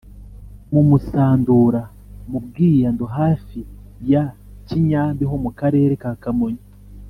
mu musandura: mu bwiyando hafi ya kinyambi ho mu karere ka kamonyi